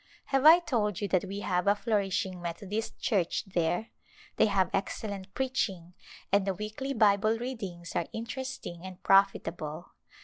Have I told you that we have a flourishing Methodist church there ? They have excellent preaching, and the weekly Bible readings are interesting and profitable.